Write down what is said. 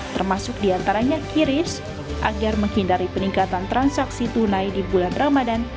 termasuk diantaranya kiris agar menghindari peningkatan transaksi tunai di bulan ramadan